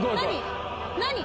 何？